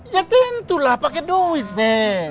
ya tentulah pakai duit deh